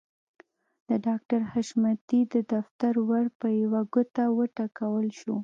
د ډاکټر حشمتي د دفتر ور په يوه ګوته وټکول شو.